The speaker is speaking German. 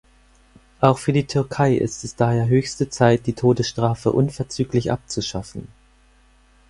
Auch für die Türkei ist es daher höchste Zeit, die Todesstrafe unverzüglich abzuschaffen.